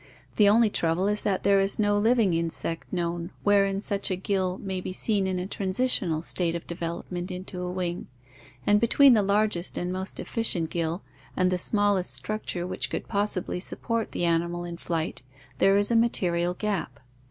The only trouble is that there is no living insect known wherein such a gill may be seen in a transitional state of development into a wing, and between the largest and most efficient gill and the smallest structure which could possibly support the animal in flight there is a material gap.